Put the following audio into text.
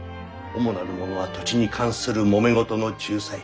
主なるものは土地に関するもめ事の仲裁。